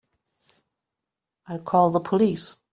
I'll call the police.